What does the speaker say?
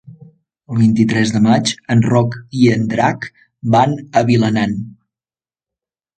El vint-i-tres de maig en Roc i en Drac van a Vilanant.